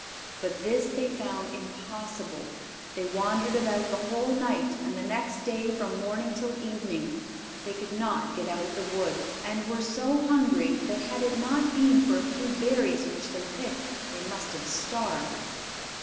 But this they found impossible. They wandered about the whole night, and the next day from morning till evening; but they could not get out of the wood, and were so hungry that had it not been for a few berries which they picked they must have starved.